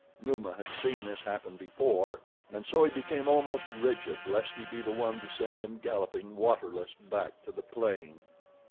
Numa had seen this happen before, and so he became almost rigid lest he be the one to send them galloping, waterless, back to the plain.